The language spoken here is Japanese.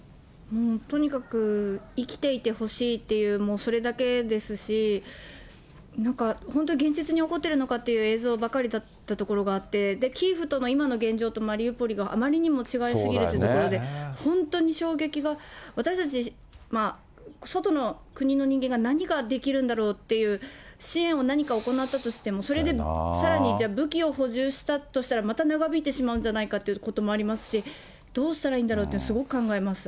とにかく生きていてほしいっていう、もうそれだけですし、なんか本当、現実に起こっているのかという映像ばかりだったところがあって、キーウとの今の現状とマリウポリがあまりにも違いすぎるというところで、本当に衝撃が、私たち、外の国の人間が何ができるんだろうっていう、支援を何か行ったとしても、それでさらに、武器を補充したとしたら、また長引いてしまうんじゃないかということがあるし、どうしたらいいんだろうって、すごく考えます。